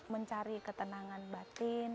mencari ketenangan batin